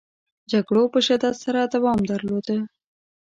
جګړو په شدت سره دوام درلوده.